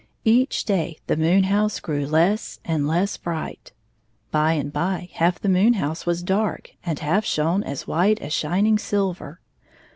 Each day the moon house gi ew less and less bright. By and by, half the moon house was dark and half shone as white as shining silver.